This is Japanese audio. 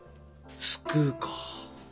救うか。